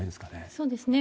そうですね。